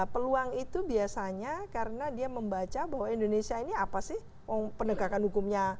peluang itu biasanya karena dia membaca bahwa indonesia ini apa sih penegakan hukumnya